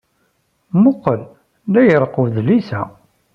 Muqel, la ireqq udlis-a.